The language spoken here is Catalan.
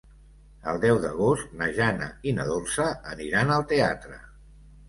El deu d'agost na Jana i na Dolça aniran al teatre.